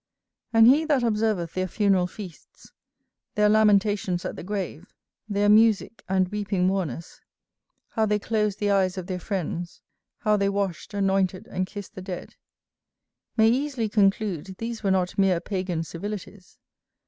And he that observeth their funeral feasts, their lamentations at the grave, their music, and weeping mourners; how they closed the eyes of their friends, how they washed, anointed, and kissed the dead; may easily conclude these were not mere Pagan civilities.